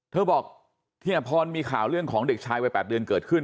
เธอบอกที่อพรมีข่าวเรื่องของเด็กชายวัย๘เดือนเกิดขึ้น